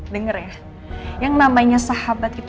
dengar ya yang namanya sahabat itu